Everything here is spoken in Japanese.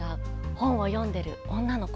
本を読んでいる女の子。